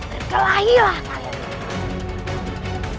berkelahi lah kalian